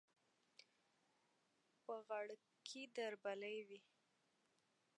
د غړکې دربلۍ وي